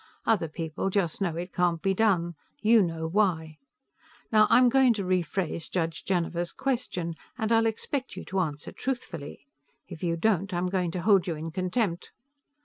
Other people just know it can't be done; you know why. Now I'm going to rephrase Judge Janiver's question, and I'll expect you to answer truthfully. If you don't I'm going to hold you in contempt.